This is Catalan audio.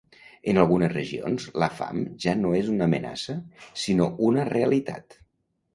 En algunes regions, la fam ja no és una amenaça sinó una realitat.